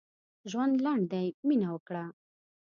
ژوند لنډ دی؛ مينه وکړه.